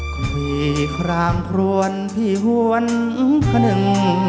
คุยคลางคลวนที่ห้วนขนึง